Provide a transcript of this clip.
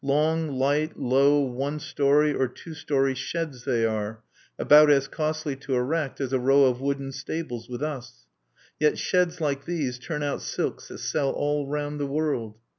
Long, light, low one story or two story sheds they are, about as costly to erect as a row of wooden stables with us. Yet sheds like these turn out silks that sell all round the world.